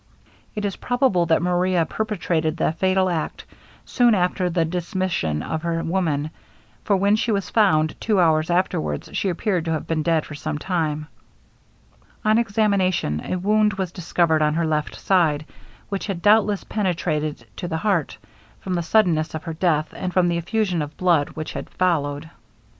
It is probable that Maria perpetrated the fatal act soon after the dismission of her woman; for when she was found, two hours afterwards, she appeared to have been dead for some time. On examination a wound was discovered on her left side, which had doubtless penetrated to the heart, from the suddenness of her death, and from the effusion of blood which had followed.